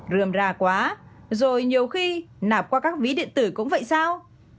rượm ra quá rồi nhiều khi nạp qua các ví điện tử cũng vậy sao